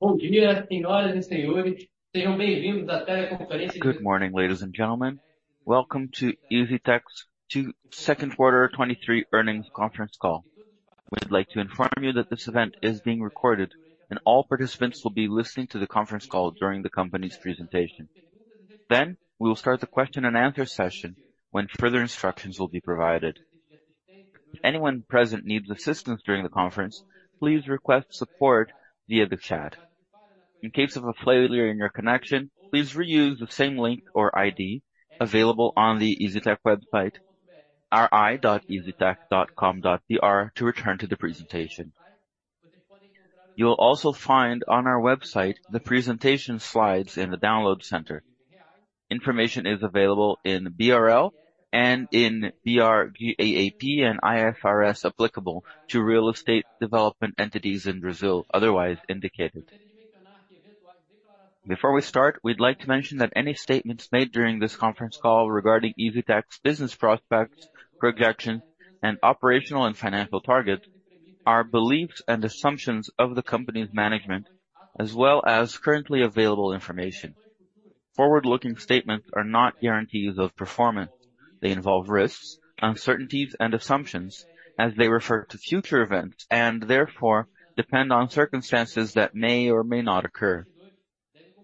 Good day, ladies and gentlemen. Welcome to EZTEC's Q2 2023 earnings conference call. We'd like to inform you that this event is being recorded, and all participants will be listening to the conference call during the company's presentation. We will start the question and answer session when further instructions will be provided. If anyone present needs assistance during the conference, please request support via the chat. In case of a failure in your connection, please reuse the same link or ID available on the EZTEC website, ri.eztec.com.br, to return to the presentation. You will also find on our website the presentation slides in the download center. Information is available in BRL and in BR GAAP and IFRS applicable to real estate development entities in Brazil, otherwise indicated. Before we start, we'd like to mention that any statements made during this conference call regarding EZTEC's business prospects, projections, and operational and financial targets are beliefs and assumptions of the company's management, as well as currently available information. Forward-looking statements are not guarantees of performance. They involve risks, uncertainties, and assumptions as they refer to future events and, therefore, depend on circumstances that may or may not occur.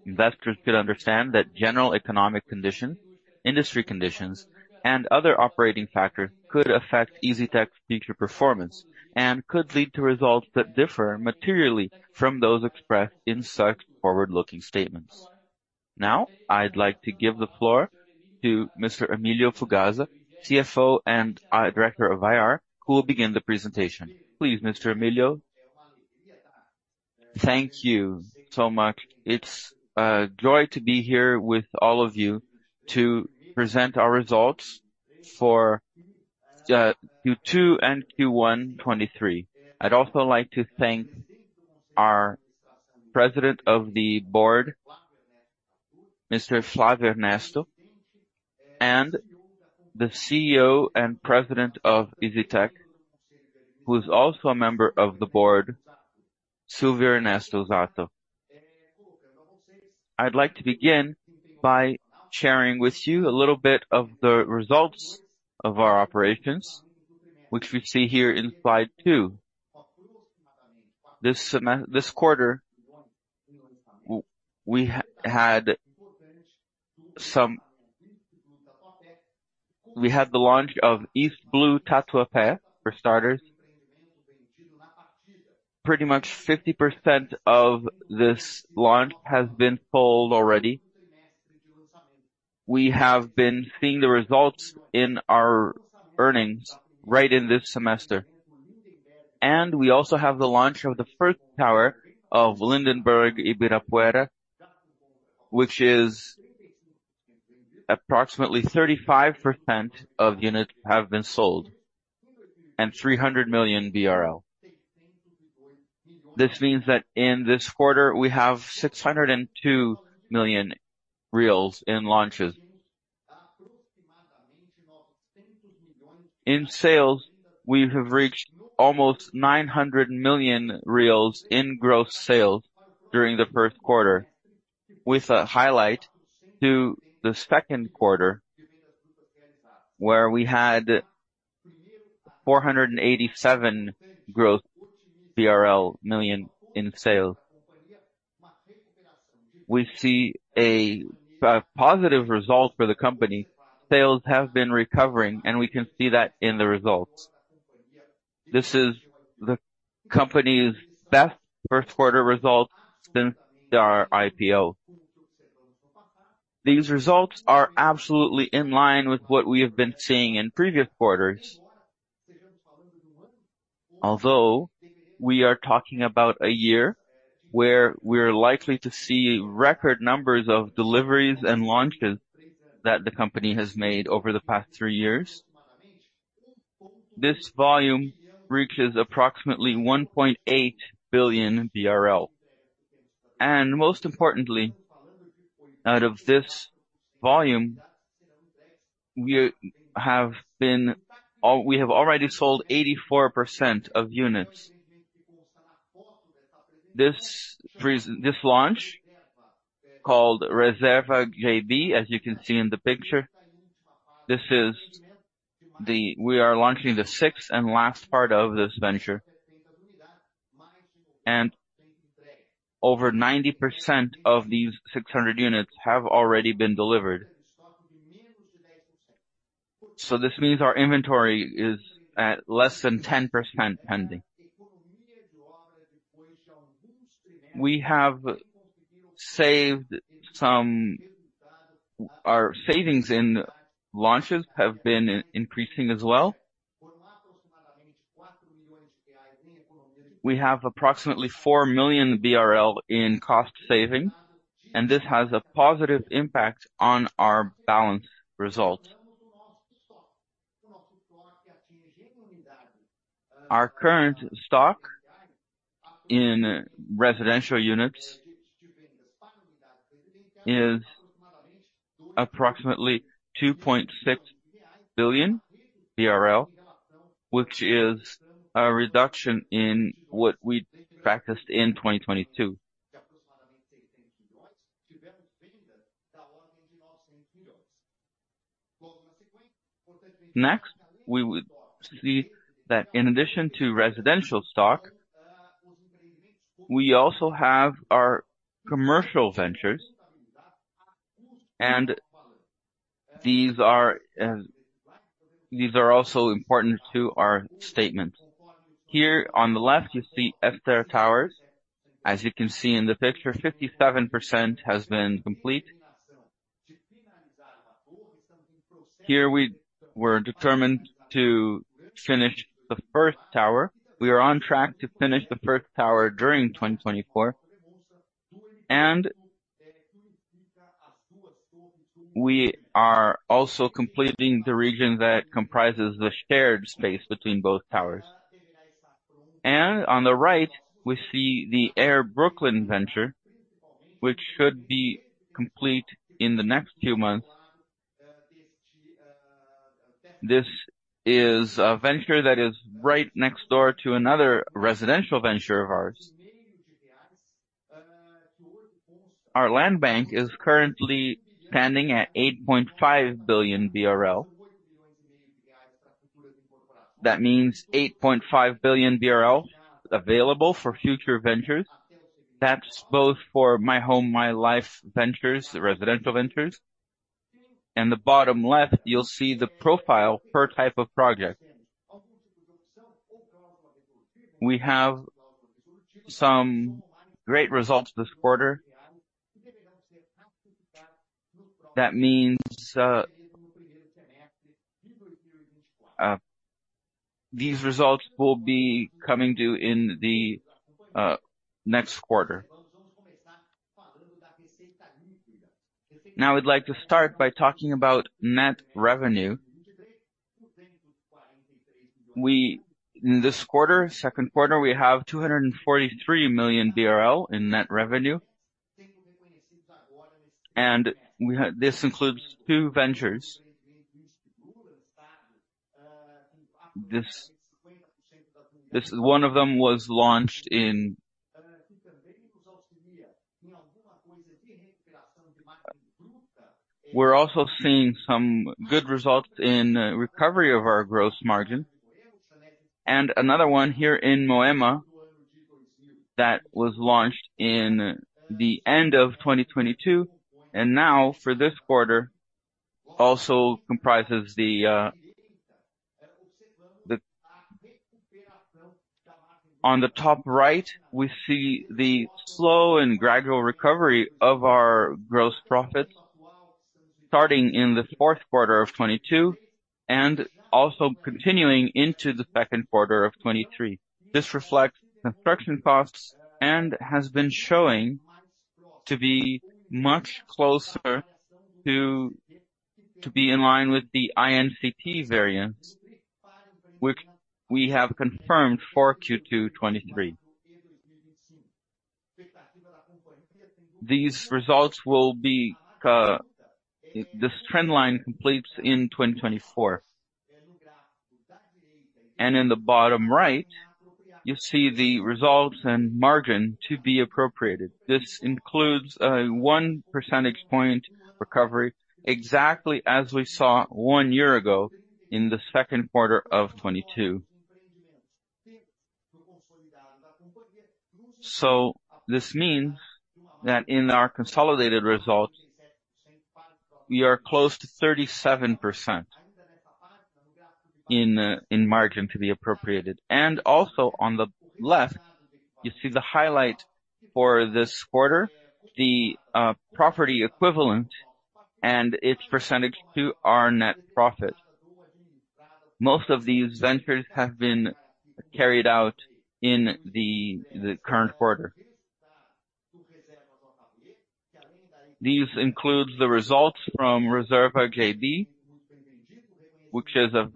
Investors should understand that general economic conditions, industry conditions, and other operating factors could affect EZTEC's future performance and could lead to results that differ materially from those expressed in such forward-looking statements. Now, I'd like to give the floor to Mr. Emilio Fugazza, CFO and Director of IR, who will begin the presentation. Please, Mr. Emilio. Thank you so much. It's a joy to be here with all of you to present our results for Q2 and Q1 2023. I'd also like to thank our President of the Board, Mr. Flávio Ernesto, and the CEO and President of EZTEC, who's also a member of the board, Silvio Ernesto Zarzur. I'd like to begin by sharing with you a little bit of the results of our operations, which we see here in slide 2. This quarter, we had the launch of East Blue Tatuapé, for starters. Pretty much 50% of this launch has been sold already. We have been seeing the results in our earnings right in this semester. We also have the launch of the first tower of Lindenberg Ibirapuera, which is approximately 35% of units have been sold, and 300 million BRL. This means that in this quarter, we have 602 million in launches. In sales, we have reached almost 900 million in gross sales during the Q1, with a highlight to the Q2, where we had 487 growth million in sales. We see a positive result for the company. Sales have been recovering, and we can see that in the results. This is the company's best Q1 results since our IPO. These results are absolutely in line with what we have been seeing in previous quarters. Although, we are talking about a year where we are likely to see record numbers of deliveries and launches that the company has made over the past three years. This volume reaches approximately 1.8 billion BRL. Most importantly, out of this volume, we have been, we have already sold 84% of units. This launch, called Reserva JB, as you can see in the picture, this is the we are launching the sixth and last part of this venture, and over 90% of these 600 units have already been delivered. This means our inventory is at less than 10% pending. We have saved Our savings in launches have been increasing as well. We have approximately 4 million BRL in cost savings, and this has a positive impact on our balance result. Our current stock in residential units is approximately BRL 2.6 billion, which is a reduction in what we practiced in 2022. We would see that in addition to residential stock, we also have our commercial ventures, and these are, these are also important to our statement. Here on the left, you see Esther Towers. As you can see in the picture, 57% has been complete. Here we were determined to finish the first tower. We are on track to finish the first tower during 2024, and we are also completing the region that comprises the shared space between both towers. On the right, we see the Air Brooklyn venture, which should be complete in the next few months. This is a venture that is right next door to another residential venture of ours. Our land bank is currently standing at 8.5 billion BRL. That means 8.5 billion BRL available for future ventures. That's both for My Home, My Life ventures, residential ventures. In the bottom left, you'll see the profile per type of project. We have some great results this quarter. That means these results will be coming due in the next quarter. I'd like to start by talking about net revenue. In this quarter, Q2, we have 243 million BRL in net revenue, this includes two ventures. One of them was launched in... We're also seeing some good results in recovery of our gross margin, and another one here in Moema, that was launched in the end of 2022, and now for this quarter, also comprises the. On the top right, we see the slow and gradual recovery of our gross profit, starting in the Q3 of 2022 and also continuing into the Q2 of 2023. This reflects construction costs and has been showing to be much closer to, to be in line with the INCC variance, which we have confirmed for Q2 2023. These results will be, this trend line completes in 2024. In the bottom right, you see the results and margin to be appropriated. This includes a 1 percentage point recovery, exactly as we saw one year ago in the Q2 of 2022. This means that in our consolidated results, we are close to 37% in, in margin to the appropriated. Also on the left, you see the highlight for this quarter, the, property equivalent and its percentage to our net profit. Most of these ventures have been carried out in the, the current quarter. These includes the results from Reserva JB, which is a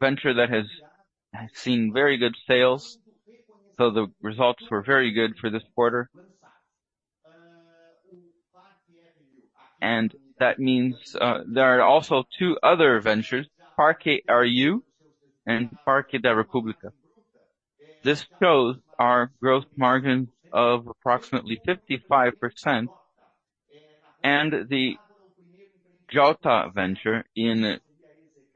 venture that has seen very good sales, so the results were very good for this quarter. That means there are also two other ventures, Parque RU and Parque da República. This shows our growth margin of approximately 55%, and the Jota venture in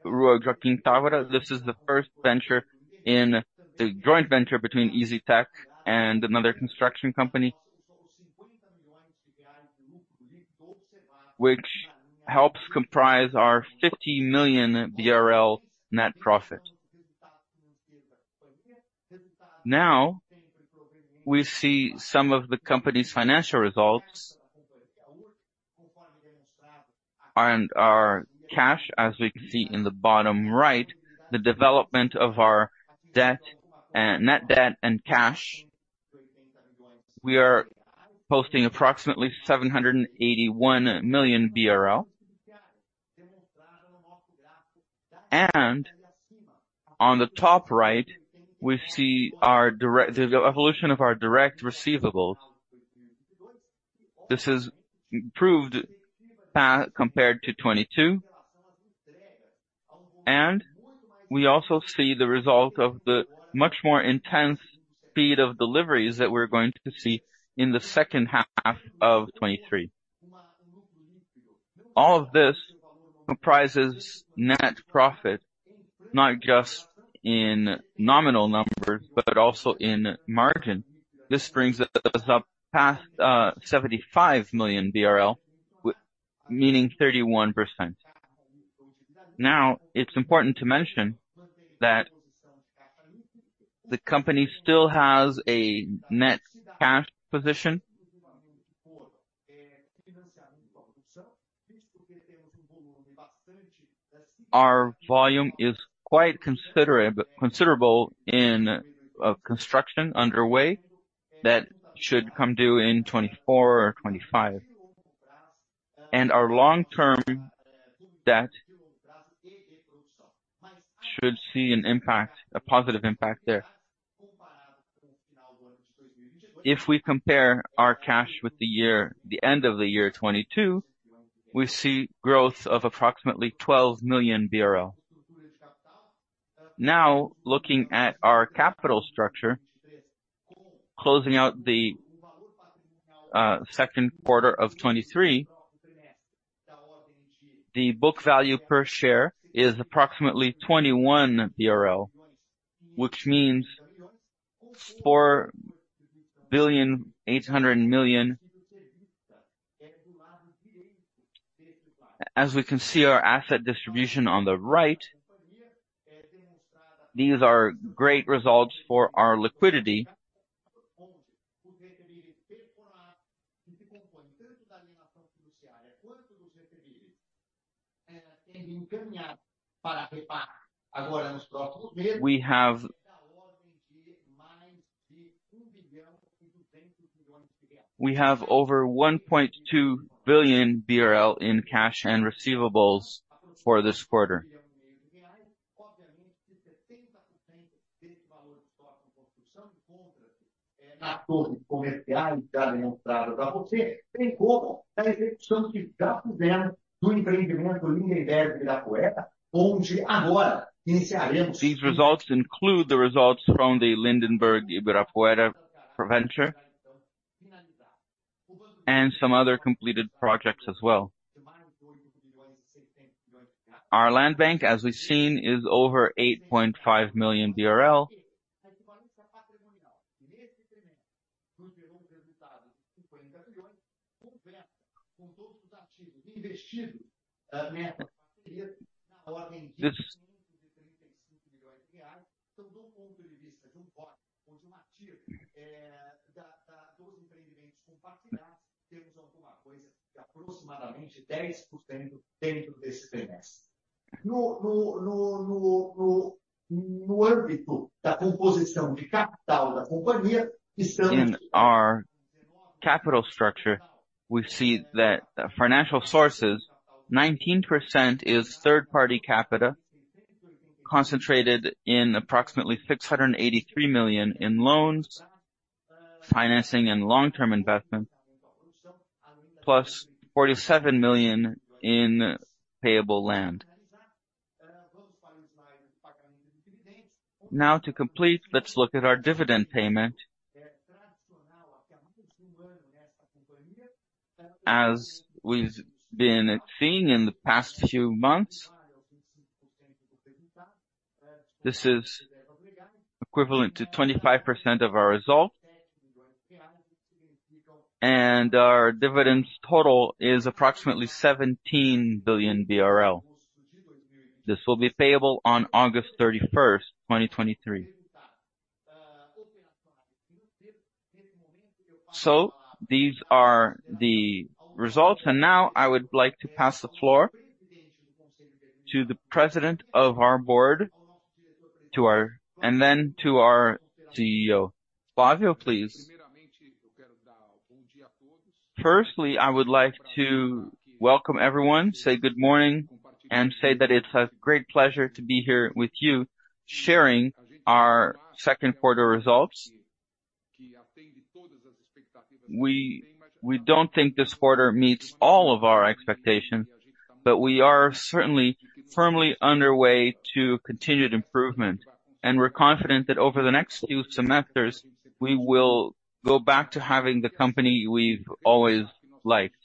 Rua Joaquim Távora. This is the first venture in the joint venture between EZTEC and another construction company, which helps comprise our 50 million BRL net profit. Now, we see some of the company's financial results and our cash, as we can see in the bottom right, the development of our debt and net debt and cash. We are posting approximately BRL 781 million. On the top right, we see our direct, the evolution of our direct receivables. This has improved compared to 2022. We also see the result of the much more intense speed of deliveries that we're going to see in the second half of 2023. All of this comprises net profit, not just in nominal numbers, but also in margin. This brings us up past BRL 75 million, meaning 31%. Now, it's important to mention that the company still has a net cash position. Our volume is quite considerate, considerable in construction underway, that should come due in 2024 or 2025. Our long-term debt should see an impact, a positive impact there. If we compare our cash with the year, the end of the year 2022, we see growth of approximately 12 million BRL. Now, looking at our capital structure, closing out the 2Q 2023, the book value per share is approximately 21 BRL, which means 4.8 billion. As we can see our asset distribution on the right, these are great results for our liquidity. We have over 1.2 billion BRL in cash and receivables for this quarter. These results include the results from the Lindenberg Ibirapuera venture, and some other completed projects as well. Our land bank, as we've seen, is over 8.5 million BRL. In our capital structure, we see that financial sources, 19% is third-party capital, concentrated in approximately 683 million in loans, financing, and long-term investment, plus 47 million in payable land. To complete, let's look at our dividend payment. As we've been seeing in the past few months, this is equivalent to 25% of our result. Our dividends total is approximately 17 billion BRL. This will be payable on August 31st, 2023. These are the results, and now I would like to pass the floor to the President of our board and then to our CEO. Flávio, please. Firstly, I would like to welcome everyone, say good morning, and say that it's a great pleasure to be here with you, sharing our Q2 results. We don't think this quarter meets all of our expectations, but we are certainly firmly underway to continued improvement, and we're confident that over the next few semesters, we will go back to having the company we've always liked.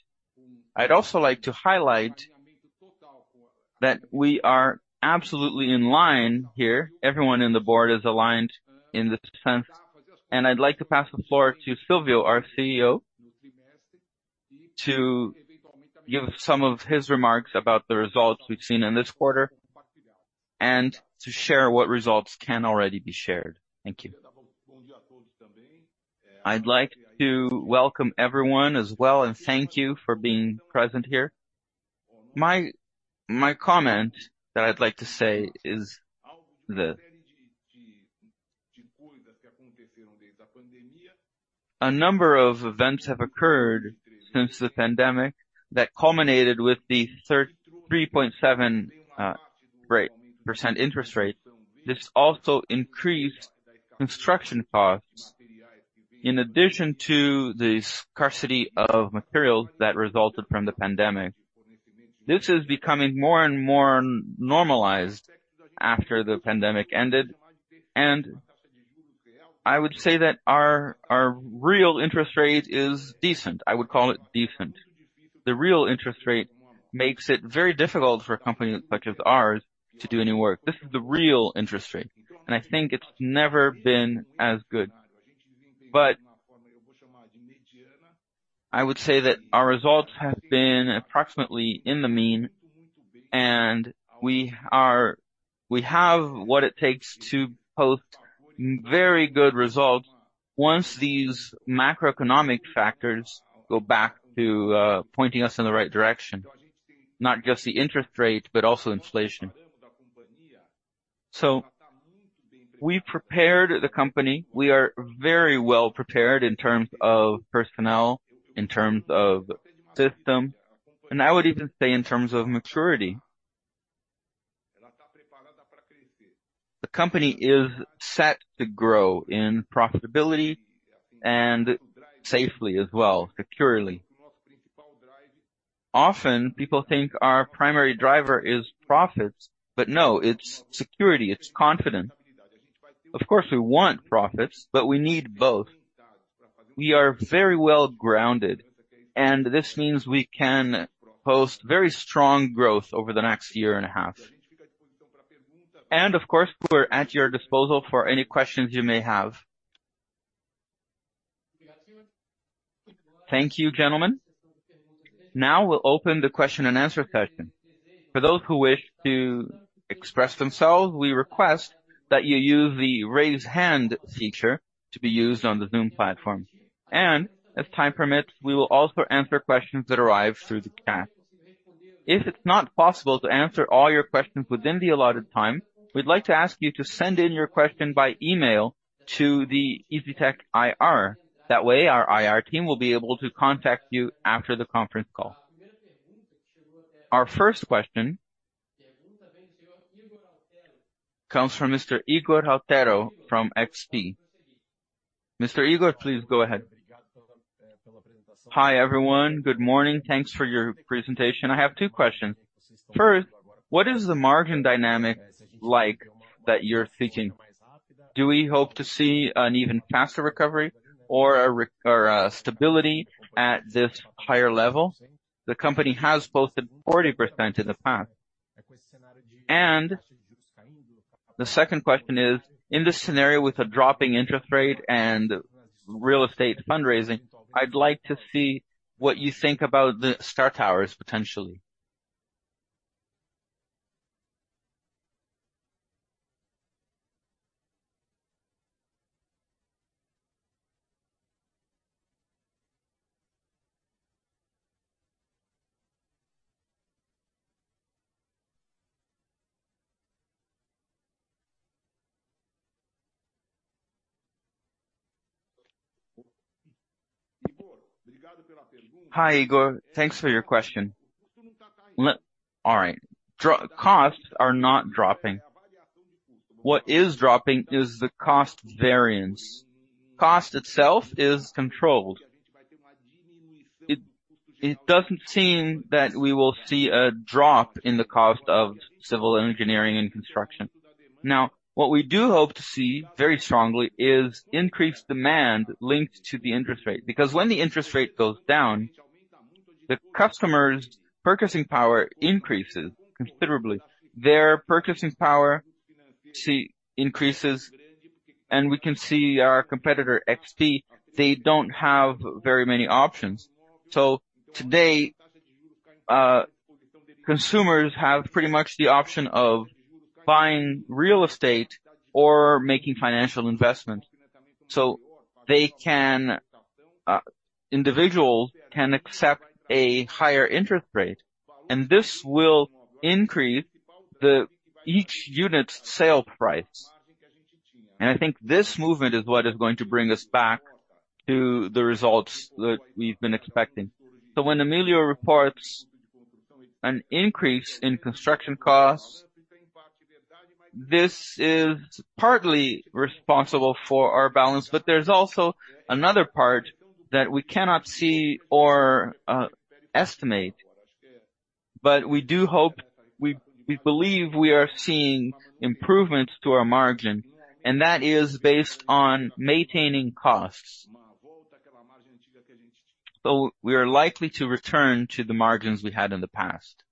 I'd also like to highlight that we are absolutely in line here. Everyone in the board is aligned in this sense. I'd like to pass the floor to Silvio, our CEO, to give some of his remarks about the results we've seen in this quarter, and to share what results can already be shared. Thank you. I'd like to welcome everyone as well, and thank you for being present here. My comment that I'd like to say is that a number of events have occurred since the pandemic that culminated with the 3.7% interest rate. This also increased construction costs, in addition to the scarcity of materials that resulted from the pandemic. This is becoming more and more normalized after the pandemic ended. I would say that our real interest rate is decent. I would call it decent. The real interest rate makes it very difficult for a company such as ours to do any work. This is the real interest rate, and I think it's never been as good. I would say that our results have been approximately in the mean, and we have what it takes to post very good results once these macroeconomic factors go back to pointing us in the right direction, not just the interest rate, but also inflation. We prepared the company. We are very well prepared in terms of personnel, in terms of system, and I would even say in terms of maturity. The company is set to grow in profitability and safely as well, securely. Often people think our primary driver is profits, but no, it's security, it's confidence. Of course, we want profits, but we need both. We are very well grounded, this means we can post very strong growth over the next year and a half. Of course, we're at your disposal for any questions you may have. Thank you, gentlemen. Now we'll open the question and answer session. For those who wish to express themselves, we request that you use the Raise Hand feature to be used on the Zoom platform, and as time permits, we will also answer questions that arrive through the chat. If it's not possible to answer all your questions within the allotted time, we'd like to ask you to send in your question by email to the EZTEC IR. That way, our IR team will be able to contact you after the conference call. Our first question, comes from Mr. Ygor Altero from XP. Mr. Igor, please go ahead. Hi, everyone. Good morning. Thanks for your presentation. I have two questions: First, what is the margin dynamic like that you're thinking? Do we hope to see an even faster recovery or a stability at this higher level? The company has posted 40% in the past. The second question is, in this scenario, with a dropping interest rate and real estate fundraising, I'd like to see what you think about the Esther Towers, potentially. Hi, Igor. Thanks for your question. All right. Costs are not dropping. What is dropping is the cost variance. Cost itself is controlled. It doesn't seem that we will see a drop in the cost of civil engineering and construction. What we do hope to see very strongly is increased demand linked to the interest rate, because when the interest rate goes down, the customer's purchasing power increases considerably. Their purchasing power see, increases. We can see our competitor, XP, they don't have very many options. Today, consumers have pretty much the option of buying real estate or making financial investments. They can, individual can accept a higher interest rate. This will increase the each unit's sale price. I think this movement is what is going to bring us back to the results that we've been expecting. When Emilio reports an increase in construction costs, this is partly responsible for our balance, but there's also another part that we cannot see or estimate. We do hope... We, we believe we are seeing improvements to our margin, and that is based on maintaining costs. We are likely to return to the margins we had in the past.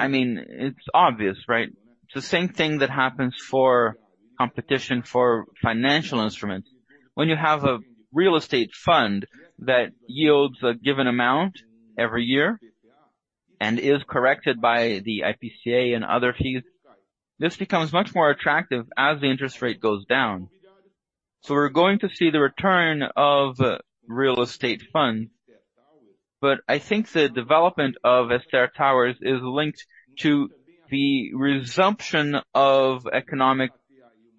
I mean, it's obvious, right? It's the same thing that happens for competition for financial instruments. When you have a real estate fund that yields a given amount every year and is corrected by the IPCA and other fees. This becomes much more attractive as the interest rate goes down. We're going to see the return of real estate funds. I think the development of Ester Towers is linked to the resumption of economic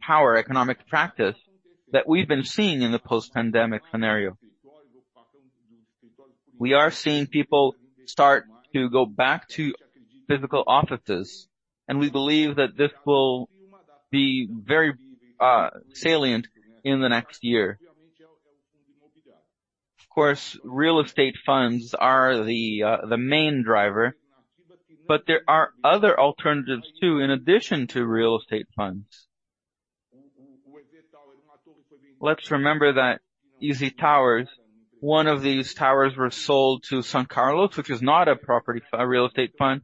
power, economic practice, that we've been seeing in the post-pandemic scenario. We are seeing people start to go back to physical offices, and we believe that this will be very salient in the next year. Of course, real estate funds are the main driver, but there are other alternatives, too, in addition to real estate funds. Let's remember that EZ Towers, one of these towers were sold to São Carlos, which is not a property, a real estate fund,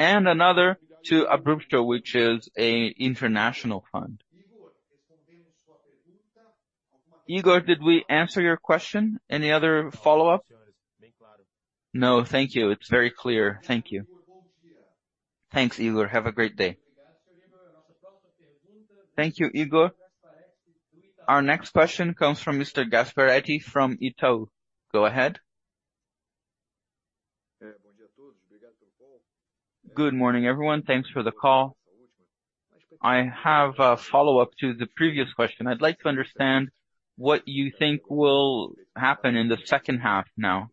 and another to Abrupto, which is a international fund. Igor, did we answer your question? Any other follow-up? No, thank you. It's very clear. Thank you. Thanks, Igor. Have a great day. Thank you, Igor. Our next question comes from Mr. Gasparetti from Itaú. Go ahead. Good morning, everyone. Thanks for the call. I have a follow-up to the previous question. I'd like to understand what you think will happen in the second half now.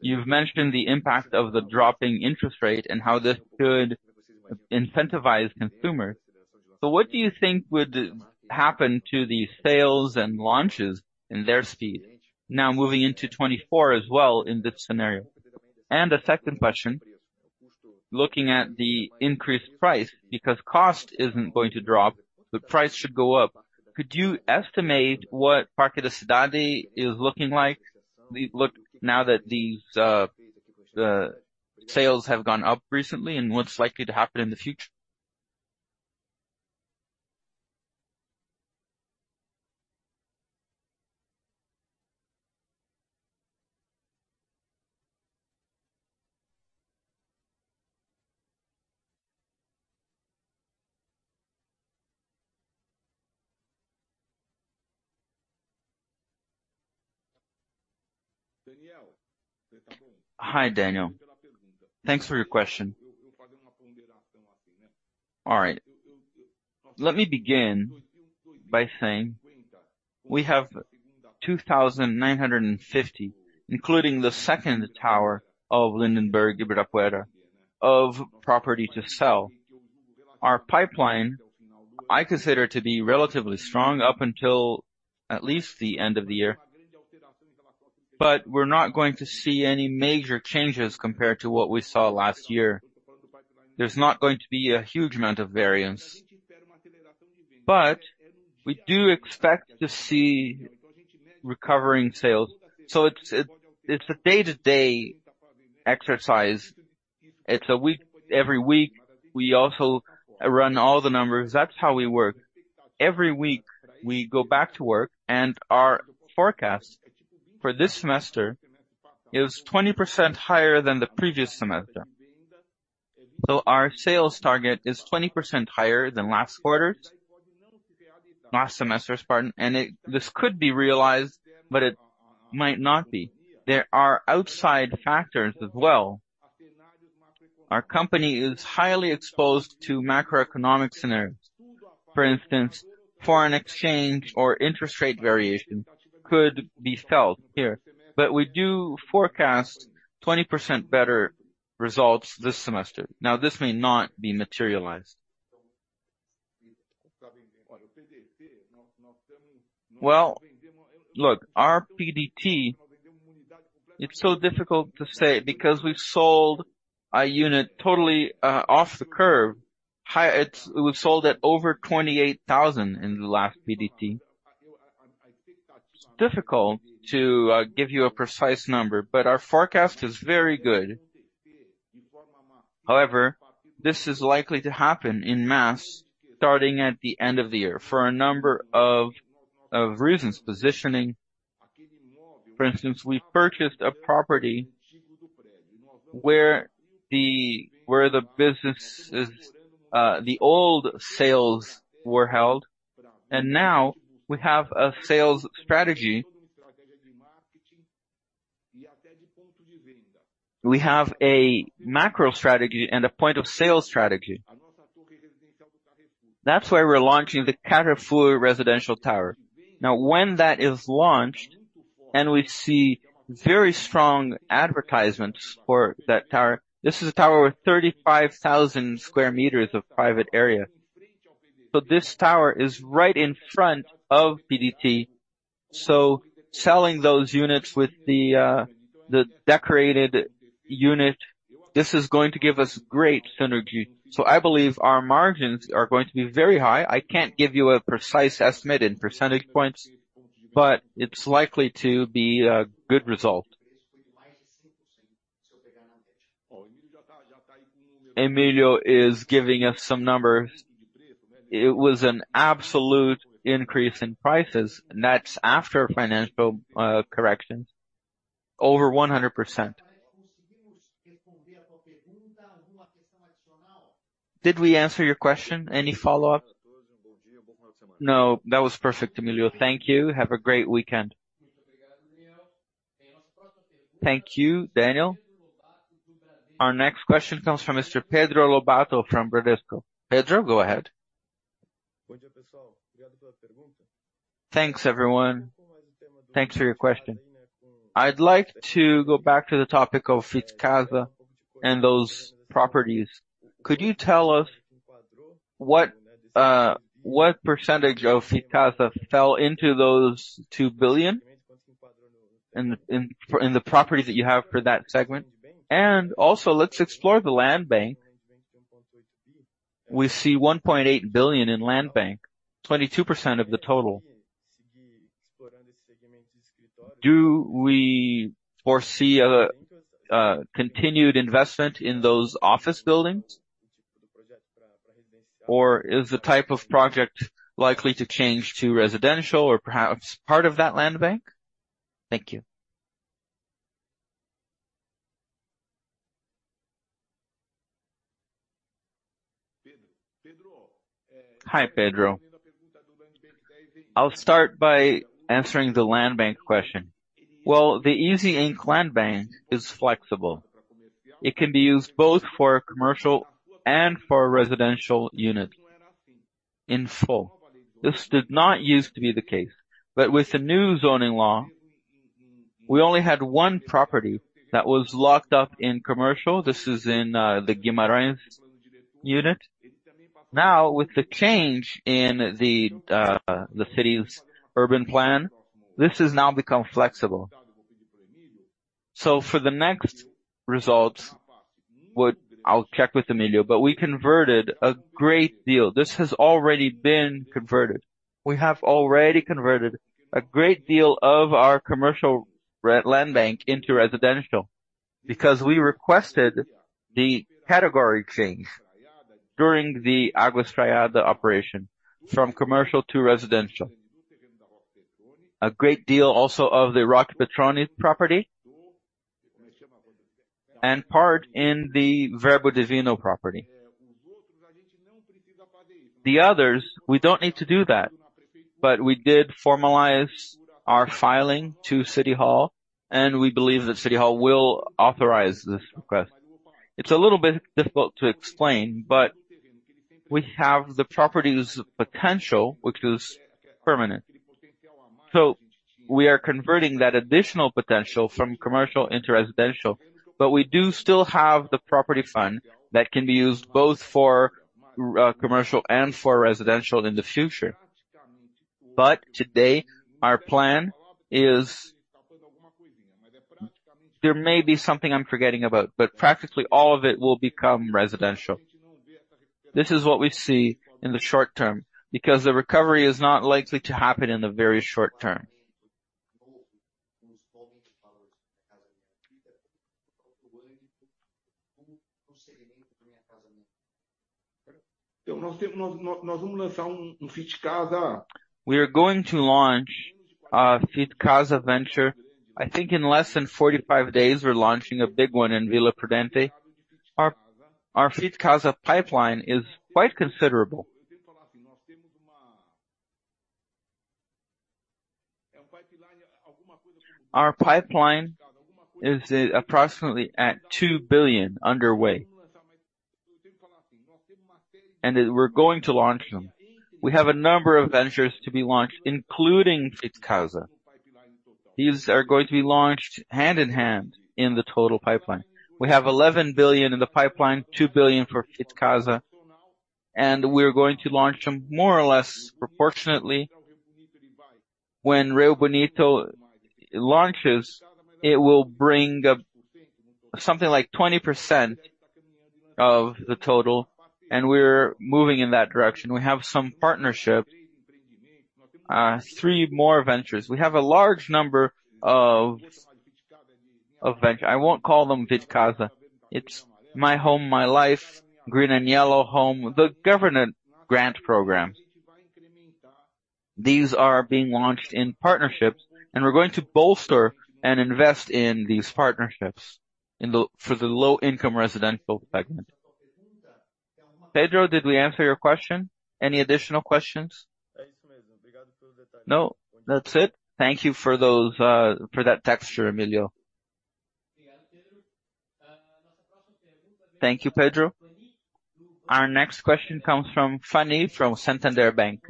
You've mentioned the impact of the dropping interest rate and how this could incentivize consumers. What do you think would happen to the sales and launches and their speed? Now moving into 2024 as well in this scenario. A second question, looking at the increased price, because cost isn't going to drop, the price should go up. Could you estimate what Parque da Cidade is looking like? We've looked now that these, the sales have gone up recently, and what's likely to happen in the future? Hi, Daniel. Thanks for your question. All right, let me begin by saying we have 2,950, including the second tower of Lindenberg Ibirapuera, of property to sell. Our pipeline, I consider to be relatively strong up until at least the end of the year, but we're not going to see any major changes compared to what we saw last year. There's not going to be a huge amount of variance, but we do expect to see recovering sales. It's a day-to-day exercise. It's every week, we also run all the numbers. That's how we work. Every week, we go back to work, and our forecast for this semester is 20% higher than the previous semester. Our sales target is 20% higher than last quarter, last semester, pardon, and this could be realized, but it might not be. There are outside factors as well. Our company is highly exposed to macroeconomic scenarios. For instance, foreign exchange or interest rate variation could be felt here, we do forecast 20% better results this semester. This may not be materialized. Look, our PDT, it's so difficult to say because we've sold a unit totally off the curve. High, we've sold at over 28,000 in the last PDT. It's difficult to give you a precise number, our forecast is very good. This is likely to happen in mass, starting at the end of the year, for a number of reasons, positioning. For instance, we purchased a property where the businesses, the old sales were held, and now we have a sales strategy. We have a macro strategy and a point-of-sale strategy. That's why we're launching the Carrefour Residential Tower. When that is launched and we see very strong advertisements for that tower, this is a tower with 35,000 square meters of private area. This tower is right in front of PDT. Selling those units with the decorated unit, this is going to give us great synergy. I believe our margins are going to be very high. I can't give you a precise estimate in percentage points, but it's likely to be a good result. Emilio is giving us some numbers. It was an absolute increase in prices. That's after financial corrections, over 100%. Did we answer your question? Any follow-up? No, that was perfect, Emilio. Thank you. Have a great weekend. Thank you, Daniel. Our next question comes from Mr. Pedro Lobato from Bradesco. Pedro, go ahead. Thanks, everyone. Thanks for your question. I'd like to go back to the topic of Fit Casa and those properties. Could you tell us what percentage of Fit Casa fell into those 2 billion in the properties that you have for that segment? Also, let's explore the land bank. We see 1.8 billion in land bank, 22% of the total. Do we foresee a continued investment in those office buildings? Is the type of project likely to change to residential or perhaps part of that land bank? Thank you. Hi, Pedro. I'll start by answering the land bank question. Well, the EZTEC Inc. Land Bank is flexible. It can be used both for commercial and for residential unit in full. This did not used to be the case, with the new zoning law, we only had one property that was locked up in commercial. This is in the Guimarães unit. Now, with the change in the city's urban plan, this has now become flexible. For the next results, I'll check with Emilio, we converted a great deal. This has already been converted. We have already converted a great deal of our commercial land bank into residential because we requested the category change during the Operação Urbana Água Espraiada from commercial to residential. A great deal also of the Roque Petroni property and part in the Verbo Divino property. The others, we don't need to do that, we did formalize our filing to City Hall, we believe that City Hall will authorize this request. It's a little bit difficult to explain, we have the property's potential, which is permanent. We are converting that additional potential from commercial into residential, but we do still have the property fund that can be used both for commercial and for residential in the future. Today, our plan is... There may be something I'm forgetting about, but practically all of it will become residential. This is what we see in the short term, because the recovery is not likely to happen in the very short term. We are going to launch a Fit Casa venture. I think in less than 45 days, we're launching a big one in Vila Prudente. Our, our Fit Casa pipeline is quite considerable. Our pipeline is approximately at 2 billion underway. We're going to launch them. We have a number of ventures to be launched, including Fit Casa. These are going to be launched hand in hand in the total pipeline. We have 11 billion in the pipeline, 2 billion for Fit Casa, and we're going to launch them more or less proportionately. When Rio Bonito launches, it will bring up something like 20% of the total, and we're moving in that direction. We have some partnership, three more ventures. We have a large number of ventures. I won't call them Fit Casa. It's Minha Casa, Minha Vida, Casa Verde e Amarela, the government grant program. These are being launched in partnerships, and we're going to bolster and invest in these partnerships for the low-income residential segment. Pedro, did we answer your question? Any additional questions? No, that's it. Thank you for those, for that texture, Emilio. Thank you, Pedro. Our next question comes from Fanny, from Santander Bank.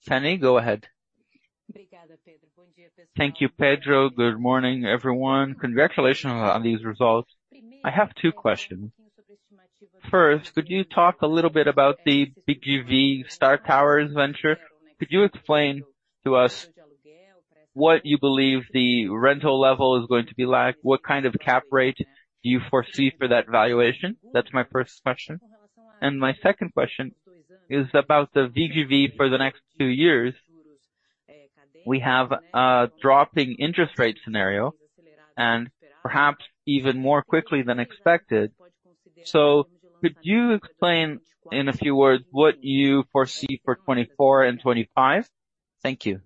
Fanny, go ahead. Thank you, Pedro. Good morning, everyone. Congratulations on these results. I have 2 questions. First, could you talk a little bit about the VGV Star Towers venture? Could you explain to us what you believe the rental level is going to be like? What kind of cap rate do you foresee for that valuation? That's my first question. My second question is about the VGV for the next 2 years. We have a dropping interest rate scenario, and perhaps even more quickly than expected. Could you explain in a few words what you foresee for 2024 and 2025? Thank you.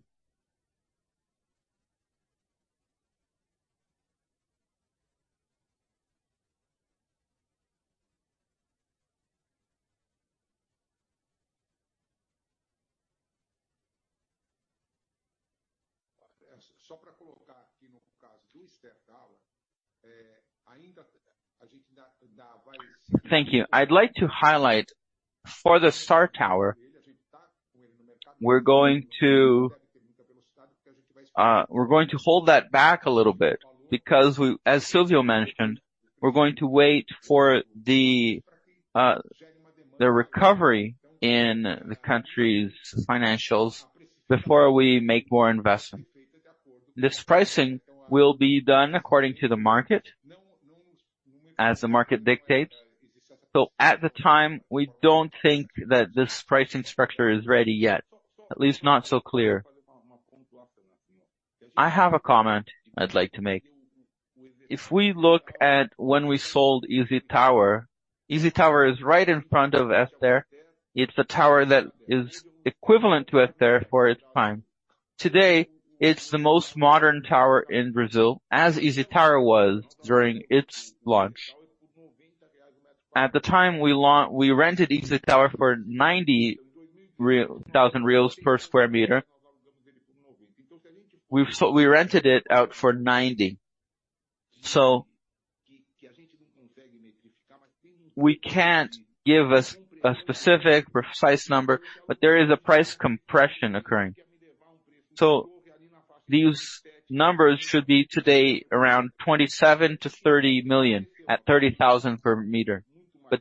Thank you. I'd like to highlight for the Star Tower, we're going to hold that back a little bit because as Silvio mentioned, we're going to wait for the recovery in the country's financials before we make more investment. This pricing will be done according to the market, as the market dictates. At the time, we don't think that this pricing structure is ready yet, at least not so clear. I have a comment I'd like to make. If we look at when we sold Easy Tower, Easy Tower is right in front of Edifício Esther. It's a tower that is equivalent to Edifício Esther for its time. Today, it's the most modern tower in Brazil, as Easy Tower was during its launch. At the time, we rented Easy Tower for 90,000 per square meter. We rented it out for 90,000. We can't give a specific, precise number, but there is a price compression occurring. These numbers should be today around 27 million-30 million at 30,000 per meter.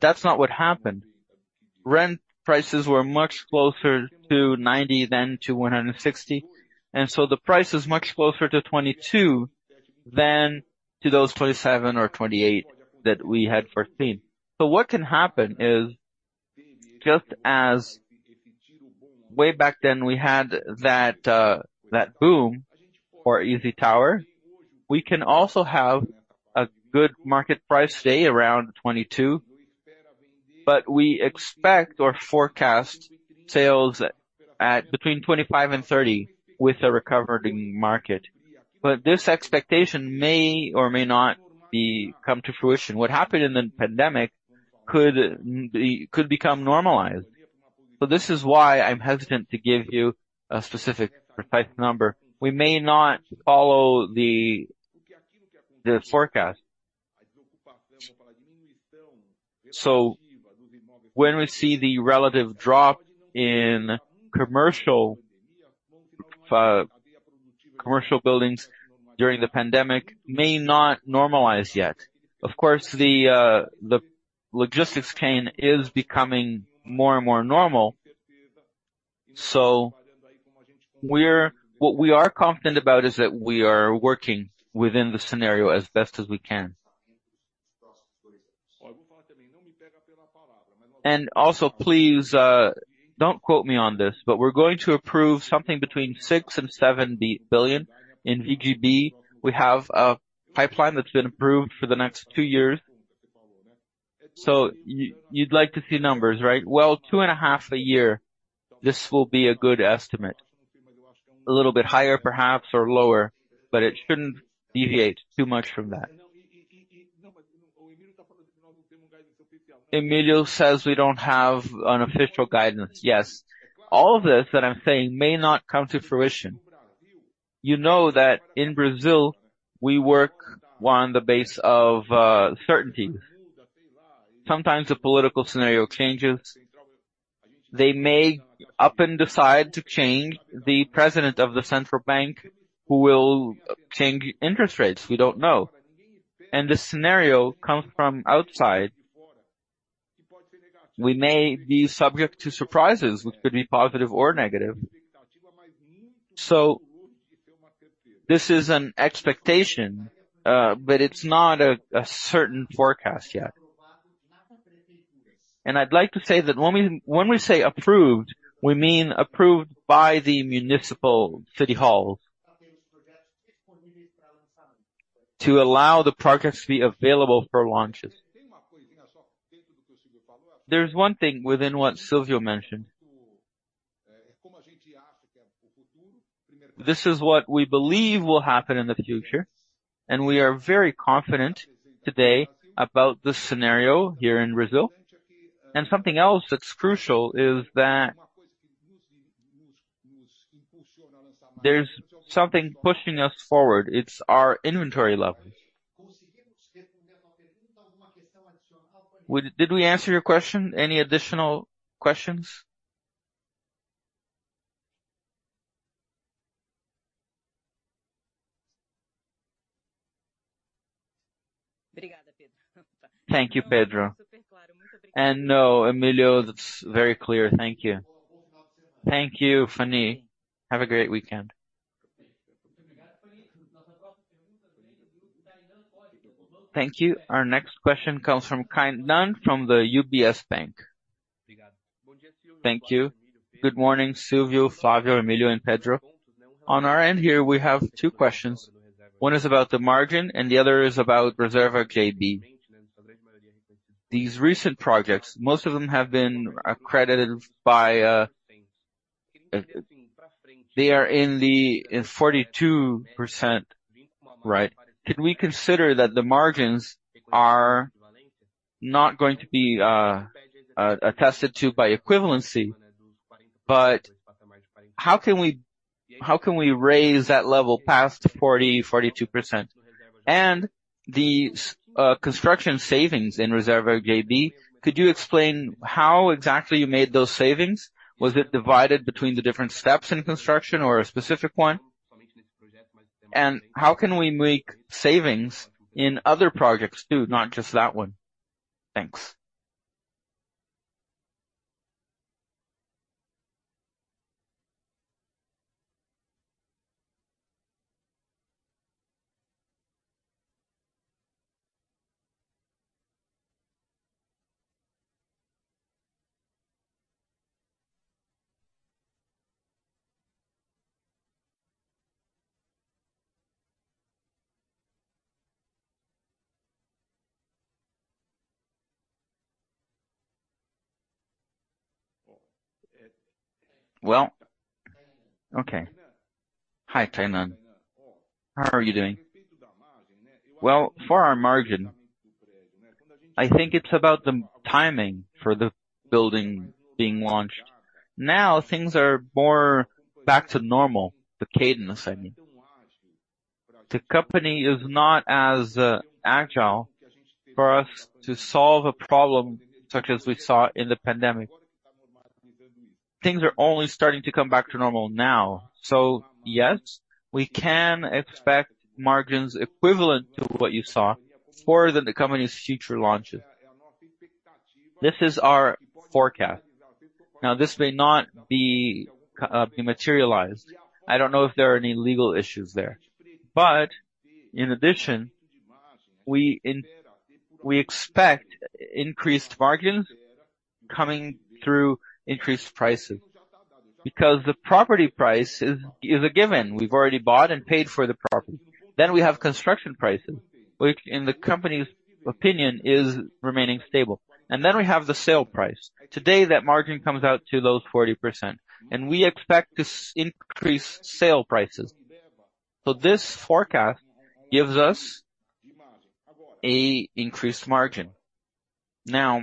That's not what happened. Rent prices were much closer to 90 than to 160, so the price is much closer to 22 than to those 27 or 28 that we had foreseen. What can happen is, just as way back then we had that boom for Easy Tower, we can also have a good market price today, around 22, but we expect or forecast sales at between 25 and 30 with a recovering market. This expectation may or may not be come to fruition. What happened in the pandemic could be, could become normalized. This is why I'm hesitant to give you a specific, precise number. We may not follow the forecast. When we see the relative drop in commercial, commercial buildings during the pandemic may not normalize yet. Of course, the logistics chain is becoming more and more normal. What we are confident about is that we are working within the scenario as best as we can. Also, please, don't quote me on this, but we're going to approve something between 6 billion and 7 billion in VGV. We have a pipeline that's been approved for the next two years. You, you'd like to see numbers, right? Well, 2.5 a year, this will be a good estimate. A little bit higher, perhaps, or lower, but it shouldn't deviate too much from that. Emilio says we don't have an official guidance. Yes. All of this that I'm saying may not come to fruition. You know that in Brazil, we work on the base of certainty. Sometimes the political scenario changes. They may up and decide to change the president of the central bank, who will change interest rates, we don't know. The scenario comes from outside. We may be subject to surprises, which could be positive or negative. This is an expectation, but it's not a certain forecast yet. I'd like to say that when we, when we say approved, we mean approved by the municipal city halls, to allow the projects to be available for launches. There's one thing within what Silvio mentioned. This is what we believe will happen in the future, and we are very confident today about this scenario here in Brazil. Something else that's crucial is that there's something pushing us forward. It's our inventory levels. Did we answer your question? Any additional questions? Thank you, Pedro. No, Emilio, that's very clear. Thank you. Thank you, Fani. Have a great weekend. Thank you. Thank you. Our next question comes from Tainan from the UBS Bank. Thank you. Good morning, Silvio, Flavia, Emilio, and Pedro. On our end here, we have two questions. One is about the margin and the other is about Reserva JB. These recent projects, most of them have been accredited by, they are in 42%, right? Can we consider that the margins are not going to be attested to by equivalency, how can we, how can we raise that level past the 40%, 42%? The construction savings in Reserva JB, could you explain how exactly you made those savings? Was it divided between the different steps in construction or a specific one? How can we make savings in other projects, too, not just that one? Thanks. Well, okay. Hi, Tainan. How are you doing? Well, for our margin, I think it's about the timing for the building being launched. Things are more back to normal, the cadence, I mean. The company is not as agile for us to solve a problem such as we saw in the pandemic. Things are only starting to come back to normal now. Yes, we can expect margins equivalent to what you saw for the company's future launches. This is our forecast. This may not be materialized. I don't know if there are any legal issues there, but in addition, we expect increased margins coming through increased prices, because the property price is, is a given. We've already bought and paid for the property. We have construction prices, which in the company's opinion, is remaining stable. We have the sale price. Today, that margin comes out to those 40%, and we expect to increase sale prices. This forecast gives us an increased margin. Now,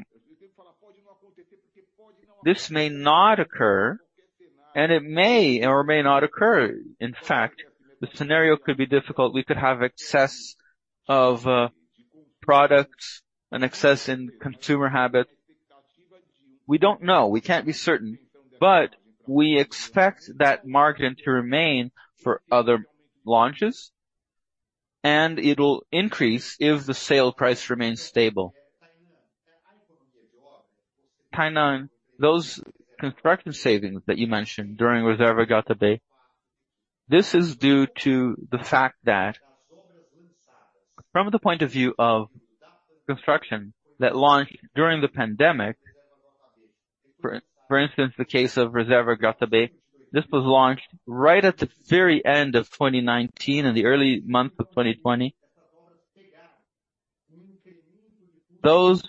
this may not occur, and it may or may not occur. In fact, the scenario could be difficult. We could have excess of products and excess in consumer habit. We don't know. We can't be certain, but we expect that margin to remain for other launches, and it'll increase if the sale price remains stable. Tainan, those construction savings that you mentioned during Reserva GB, this is due to the fact that from the point of view of construction that launched during the pandemic, for instance, the case of Reserva GB, this was launched right at the very end of 2019 and the early months of 2020. Those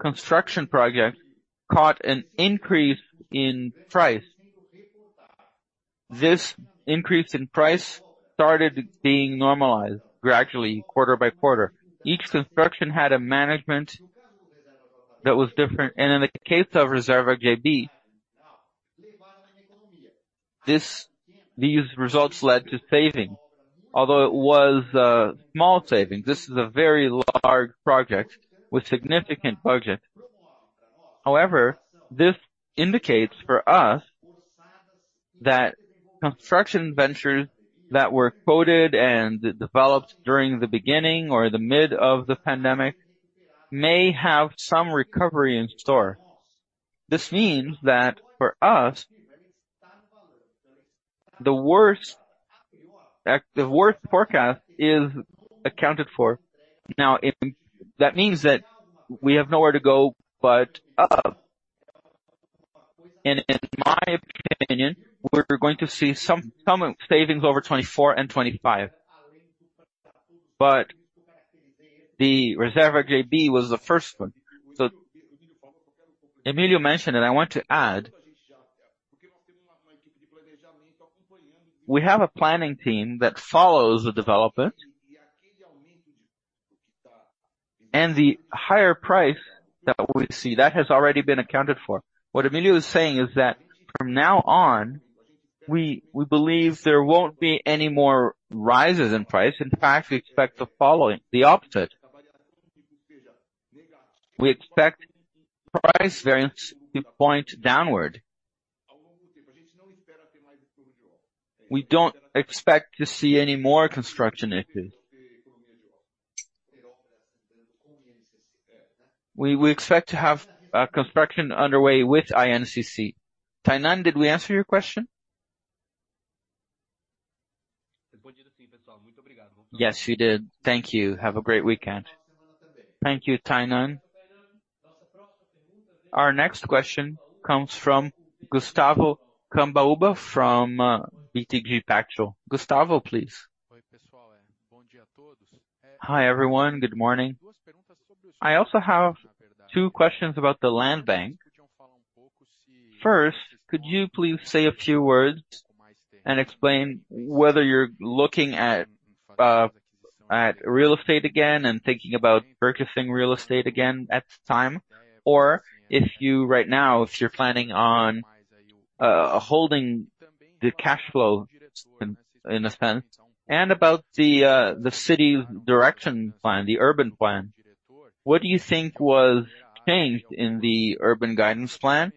construction projects caught an increase in price. This increase in price started being normalized gradually, quarter by quarter. Each construction had a management that was different, and in the case of Reserva GB, this-- these results led to saving. Although it was small savings, this is a very large project with significant budget. However, this indicates for us that construction ventures that were quoted and developed during the beginning or the mid of the pandemic may have some recovery in store. This means that for us, the worst, the worst forecast is accounted for. Now, if-- that means that we have nowhere to go but up. In my opinion, we're going to see some, some savings over 2024 and 2025, but the Reserva GB was the first one. Emilio mentioned, and I want to add, we have a planning team that follows the developer. The higher price that we see, that has already been accounted for. What Emilio is saying is that from now on, we, we believe there won't be any more rises in price. In fact, we expect the following, the opposite. We expect price variance to point downward. We don't expect to see any more construction active. We, we expect to have construction underway with INCC. Tainan, did we answer your question? Yes, you did. Thank you. Have a great weekend! Thank you, Tainan. Our next question comes from Gustavo Cambaúva, from BTG Pactual. Gustavo, please. Hi, everyone. Good morning. I also have 2 questions about the land bank. First, could you please say a few words and explain whether you're looking at real estate again and thinking about purchasing real estate again at the time, or if you right now, if you're planning on holding the cash flow in, in a sense, and about the city direction plan, the urban plan. What do you think was changed in the Urban Guidance Plan?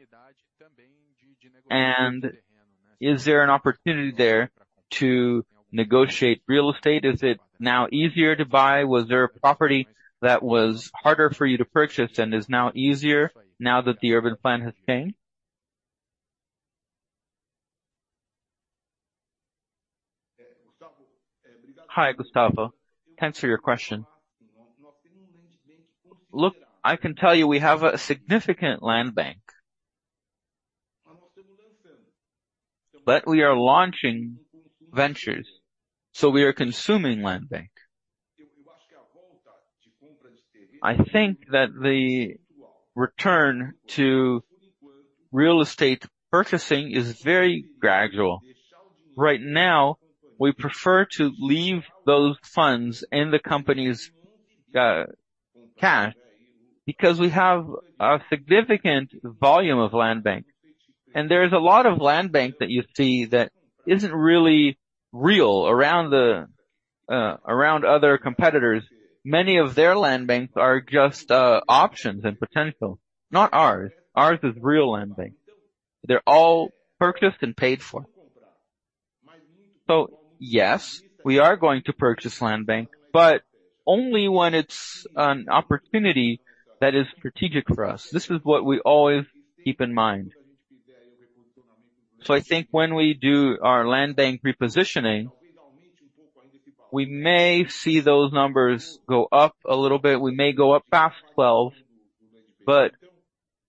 Is there an opportunity there to negotiate real estate? Is it now easier to buy? Was there a property that was harder for you to purchase and is now easier now that the urban plan has changed? Hi, Gustavo. Thanks for your question. Look, I can tell you, we have a significant land bank. We are launching ventures, so we are consuming land bank. I think that the return to real estate purchasing is very gradual. Right now, we prefer to leave those funds in the company's cash, because we have a significant volume of land bank, and there is a lot of land bank that you see that isn't really real around the around other competitors. Many of their land banks are just options and potential, not ours. Ours is real land bank. They're all purchased and paid for. Yes, we are going to purchase land bank, but only when it's an opportunity that is strategic for us. This is what we always keep in mind. I think when we do our land bank repositioning, we may see those numbers go up a little bit. We may go up past 12, but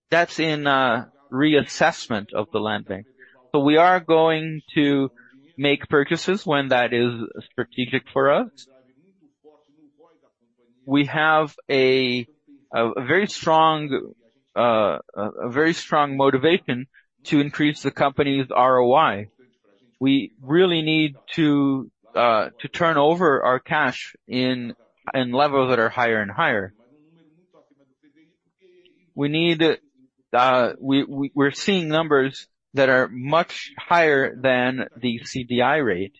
that's in a reassessment of the land bank. We are going to make purchases when that is strategic for us. We have a, a very strong, a very strong motivation to increase the company's ROI. We really need to turn over our cash in, in levels that are higher and higher. We need. We, we, we're seeing numbers that are much higher than the CDI rate,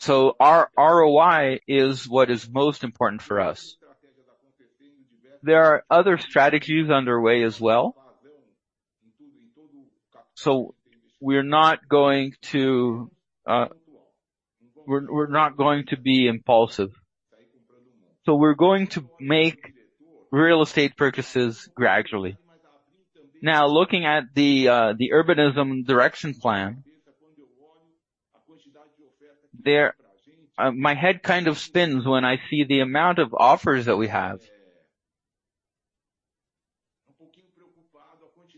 so our ROI is what is most important for us. There are other strategies underway as well. We're not going to, we're, we're not going to be impulsive. We're going to make real estate purchases gradually. Now, looking at the urbanism direction plan, there, my head kind of spins when I see the amount of offers that we have.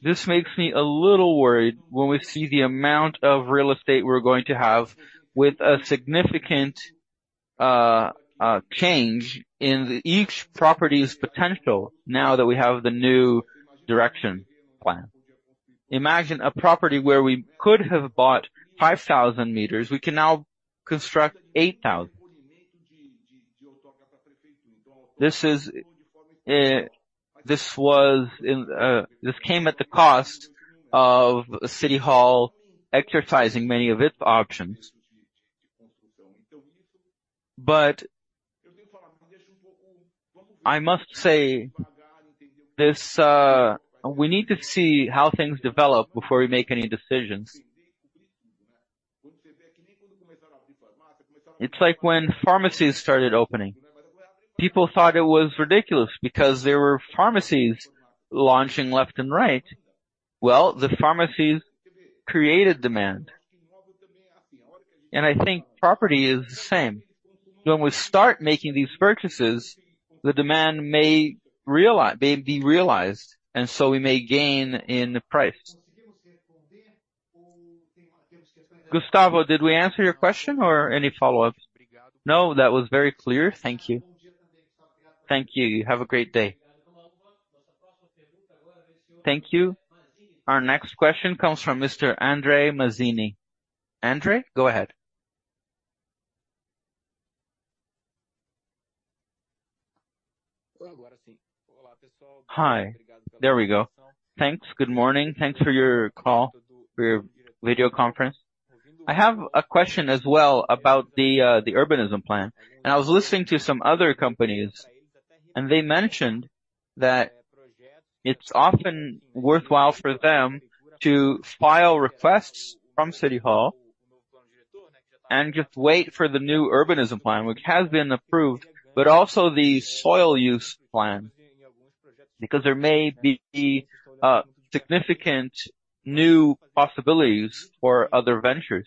This makes me a little worried when we see the amount of real estate we're going to have with a significant change in each property's potential now that we have the new direction plan. Imagine a property where we could have bought 5,000 meters, we can now construct 8,000. This is, this was, in, this came at the cost of city hall exercising many of its options. I must say, this, we need to see how things develop before we make any decisions. It's like when pharmacies started opening, people thought it was ridiculous because there were pharmacies launching left and right. The pharmacies created demand, and I think property is the same. When we start making these purchases, the demand may may be realized, and so we may gain in the price. Gustavo, did we answer your question or any follow-up? No, that was very clear. Thank you. Thank you. Have a great day. Thank you. Our next question comes from Mr. Andre Mazzini. Andre, go ahead. Hi, there we go. Thanks. Good morning. Thanks for your call, for your video conference. I have a question as well about the urbanism plan. I was listening to some other companies, and they mentioned that it's often worthwhile for them to file requests from City Hall and just wait for the new urbanism plan, which has been approved, but also the soil use plan. There may be significant new possibilities for other ventures.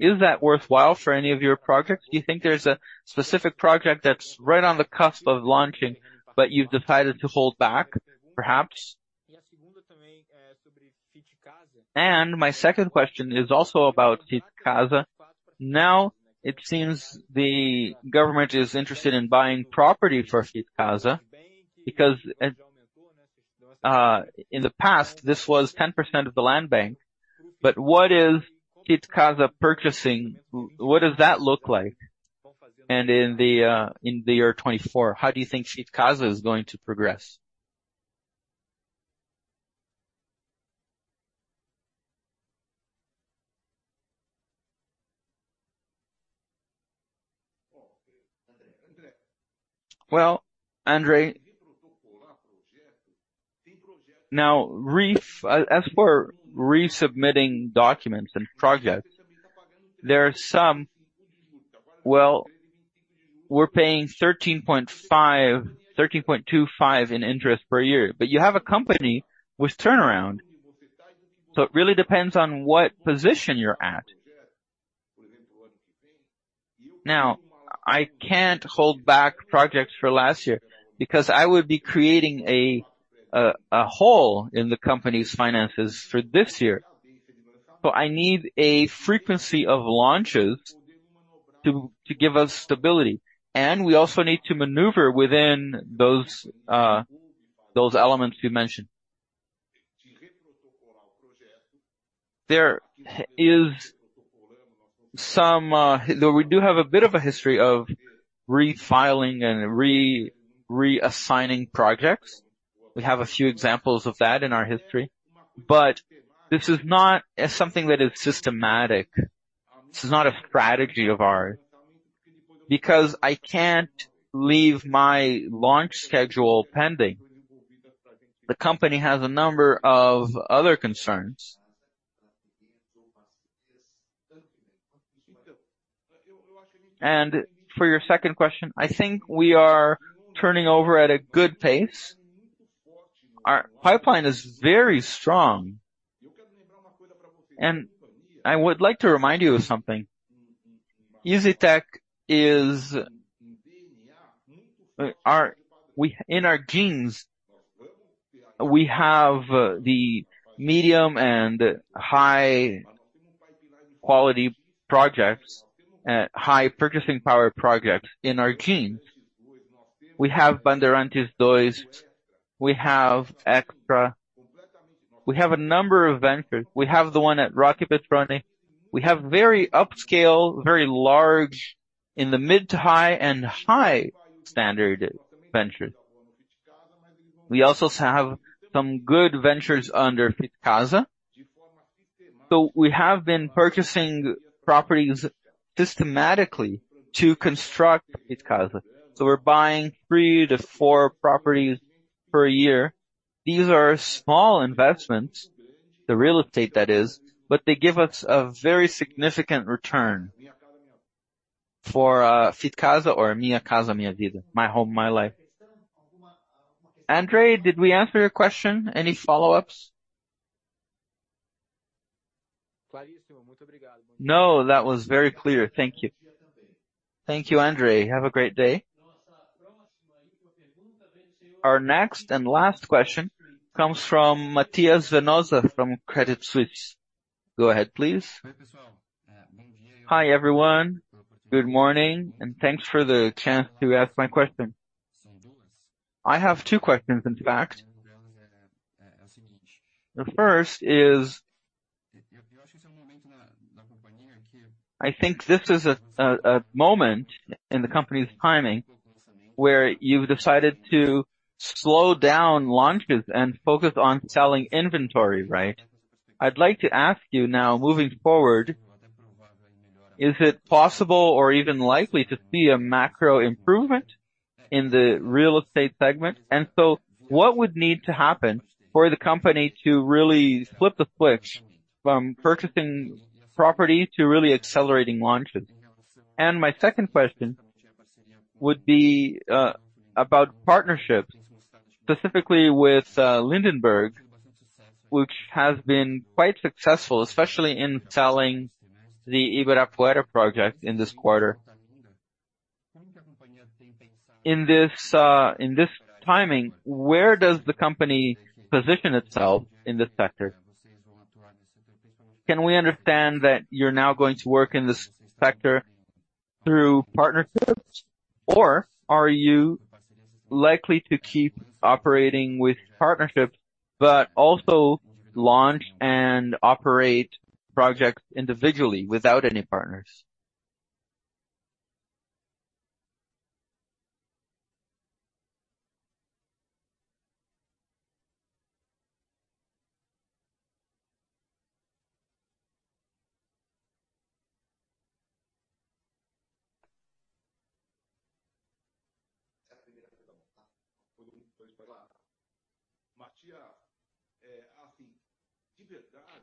Is that worthwhile for any of your projects? Do you think there's a specific project that's right on the cusp of launching, but you've decided to hold back, perhaps? My second question is also about Fit Casa. It seems the government is interested in buying property for Fit Casa, because in the past, this was 10% of the land bank. What is Fit Casa purchasing? What does that look like? In the year 2024, how do you think Fit Casa is going to progress? André, for resubmitting documents and projects, there are some... We're paying 13.5%, 13.25% in interest per year, but you have a company with turnaround, so it really depends on what position you're at. I can't hold back projects for last year because I would be creating a hole in the company's finances for this year. I need a frequency of launches to give us stability, and we also need to maneuver within those elements you mentioned. There is some, though we do have a bit of a history of refiling and re, reassigning projects. We have a few examples of that in our history, but this is not as something that is systematic. This is not a strategy of ours, because I can't leave my launch schedule pending. The company has a number of other concerns. For your second question, I think we are turning over at a good pace. Our pipeline is very strong, and I would like to remind you of something. EZTEC is, our-- we, in our genes, we have the medium and high quality projects, high purchasing power projects in our genes. We have Bandeirantes II, we have Extra, we have a number of ventures. We have the one at Roque Petroni. We have very upscale, very large, in the mid to high and high standard ventures. We also have some good ventures under Fit Casa. We have been purchasing properties systematically to construct Fit Casa. We're buying three to four properties per year. These are small investments, the real estate, that is, but they give us a very significant return for Fit Casa or Minha Casa, Minha Vida, Minha Casa, Minha Vida. Andre, did we answer your question? Any follow-ups? No, that was very clear. Thank you. Thank you, Andre. Have a great day. Our next and last question comes from Matheus Venosa from Credit Suisse. Go ahead, please. Hi, everyone. Good morning, and thanks for the chance to ask my question. I have two questions, in fact. The first is, I think this is a moment in the company's timing where you've decided to slow down launches and focus on selling inventory, right? I'd like to ask you now, moving forward, is it possible or even likely to see a macro improvement in the real estate segment? So what would need to happen for the company to really flip the switch from purchasing property to really accelerating launches? My second question would be about partnerships, specifically with Lindenberg, which has been quite successful, especially in selling the Iguaçu project in this quarter. In this timing, where does the company position itself in this sector? Can we understand that you're now going to work in this sector through partnerships, or are you likely to keep operating with partnerships, but also launch and operate projects individually without any partners?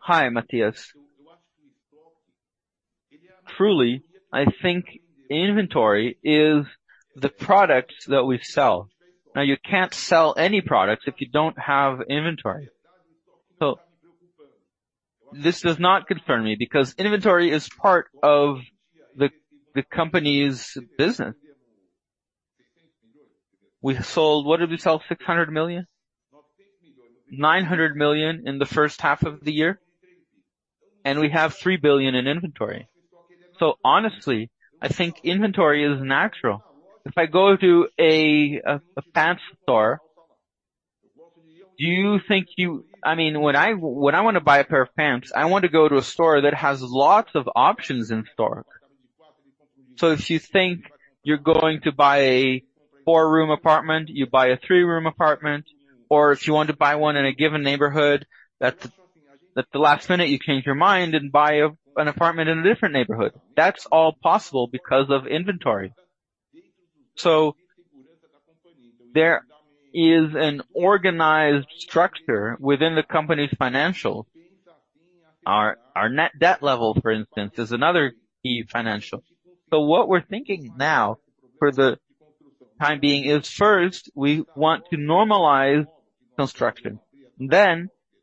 Hi, Matheus. Truly, I think inventory is the product that we sell. Now, you can't sell any product if you don't have inventory. This does not concern me, because inventory is part of the, the company's business. We sold-- What did we sell? 600 million? 900 million in the first half of the year, and we have 3 billion in inventory. Honestly, I think inventory is natural. If I go to a, a, a pants store, do you think I mean, when I, when I wanna buy a pair of pants, I want to go to a store that has lots of options in stock. If you think you're going to buy a 4-room apartment, you buy a 3-room apartment, or if you want to buy one in a given neighborhood, that's, at the last minute, you change your mind and buy an apartment in a different neighborhood. That's all possible because of inventory. There is an organized structure within the company's financial. Our, our net debt level, for instance, is another key financial. What we're thinking now, for the time being, is first, we want to normalize construction.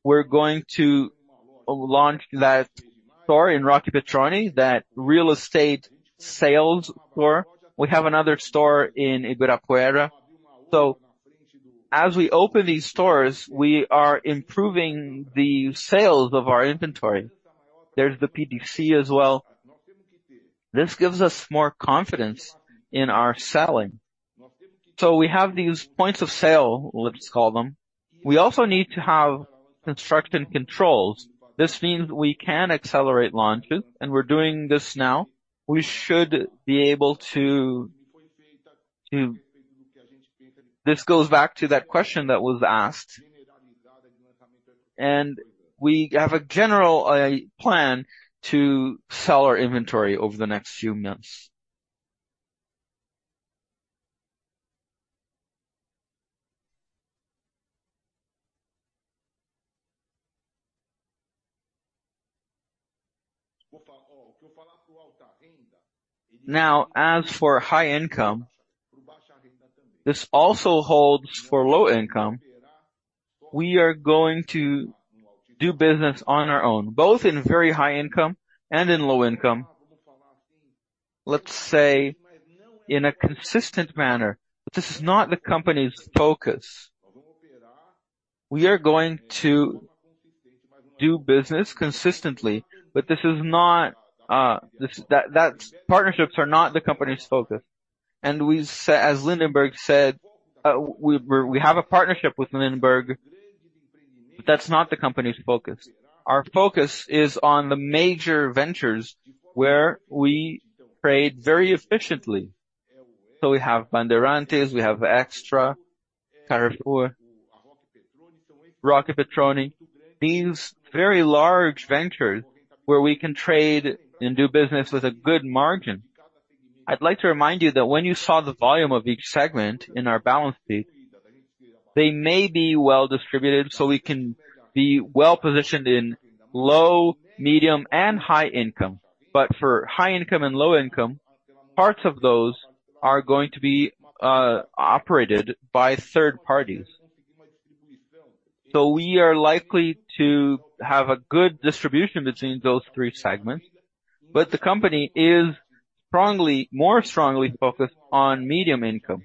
We're going to launch that store in Roque Petroni, that real estate sales store. We have another store in Ibirapuera. As we open these stores, we are improving the sales of our inventory. There's the PDC as well. This gives us more confidence in our selling. We have these points of sale, let's call them. We also need to have construction controls. This means we can accelerate launches, and we're doing this now. We should be able to. This goes back to that question that was asked, and we have a general plan to sell our inventory over the next few months. As for high income, this also holds for low income. We are going to do business on our own, both in very high income and in low income, let's say, in a consistent manner, but this is not the company's focus. We are going to do business consistently, but this is not, this, that, that's-- partnerships are not the company's focus. As Lindenberg said, we have a partnership with Lindenberg, but that's not the company's focus. Our focus is on the major ventures where we trade very efficiently. We have Bandeirantes, we have Extra, Carrefour, Roque Petroni, these very large ventures where we can trade and do business with a good margin. I'd like to remind you that when you saw the volume of each segment in our balance sheet, they may be well-distributed, so we can be well-positioned in low, medium, and high income. For high income and low income, parts of those are going to be operated by third parties. We are likely to have a good distribution between those three segments, but the company is strongly, more strongly focused on medium income.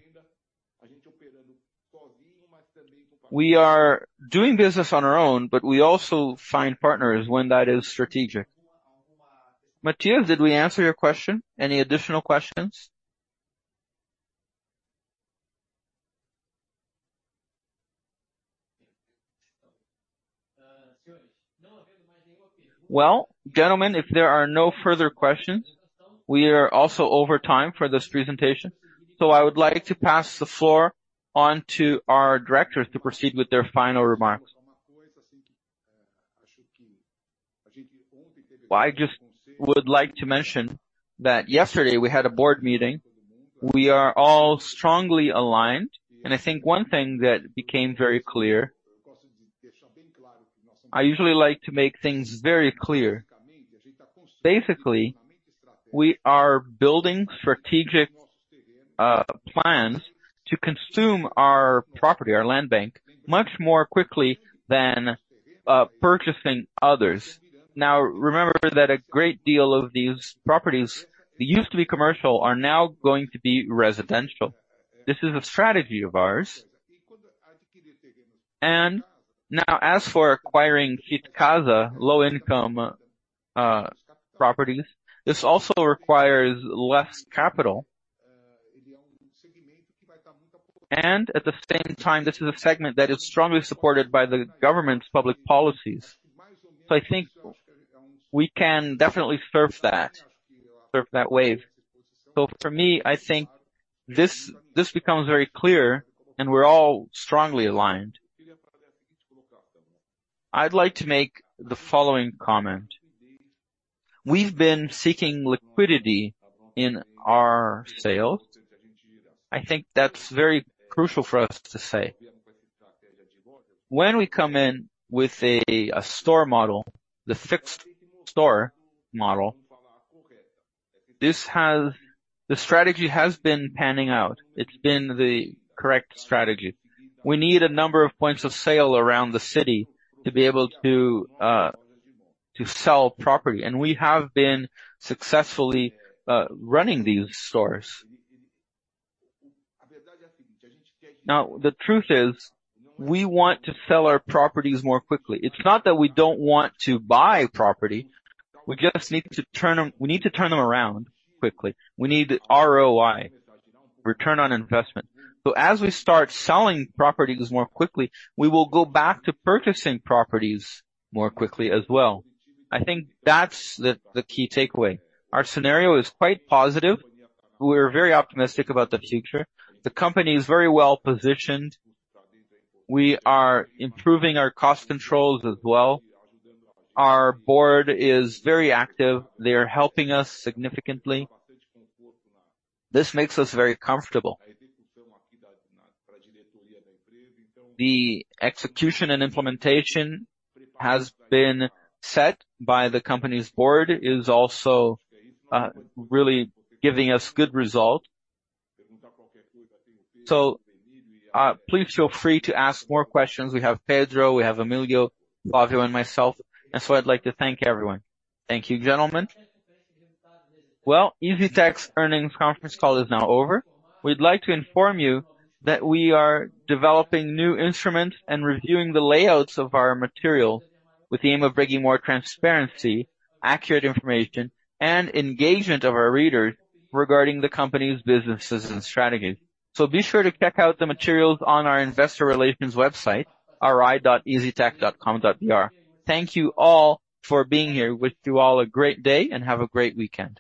We are doing business on our own, but we also find partners when that is strategic. Matthew, did we answer your question? Any additional questions? Gentlemen, if there are no further questions, we are also over time for this presentation, so I would like to pass the floor on to our directors to proceed with their final remarks. I just would like to mention that yesterday we had a board meeting. We are all strongly aligned, and I think one thing that became very clear, I usually like to make things very clear. Basically, we are building strategic plans to consume our property, our land bank, much more quickly than purchasing others. Now, remember that a great deal of these properties, they used to be commercial, are now going to be residential. This is a strategy of ours. Now, as for acquiring Itcasa, low-income properties, this also requires less capital. At the same time, this is a segment that is strongly supported by the government's public policies. I think we can definitely surf that, surf that wave. For me, I think this, this becomes very clear and we're all strongly aligned. I'd like to make the following comment: We've been seeking liquidity in our sales. I think that's very crucial for us to say. When we come in with a, a store model, the fixed store model, the strategy has been panning out. It's been the correct strategy. We need a number of points of sale around the city to be able to to sell property, and we have been successfully running these stores. The truth is, we want to sell our properties more quickly. It's not that we don't want to buy property, we just need to turn them around quickly. We need the ROI, return on investment. As we start selling properties more quickly, we will go back to purchasing properties more quickly as well. I think that's the key takeaway. Our scenario is quite positive. We're very optimistic about the future. The company is very well-positioned. We are improving our cost controls as well. Our board is very active. They are helping us significantly. This makes us very comfortable. The execution and implementation has been set by the company's board, is also, really giving us good result. Please feel free to ask more questions. We have Pedro, we have Emilio, Fabio, and myself, and so I'd like to thank everyone. Thank you, gentlemen. Well, EZTEC Earnings Conference Call is now over. We'd like to inform you that we are developing new instruments and reviewing the layouts of our materials with the aim of bringing more transparency, accurate information, and engagement of our readers regarding the company's businesses and strategies. Be sure to check out the materials on our investor relations website, ri.eztec.com.br. Thank you all for being here. Wish you all a great day, and have a great weekend!